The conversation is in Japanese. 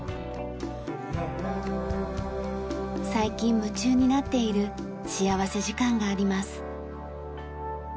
最近夢中になっている幸福時間があります。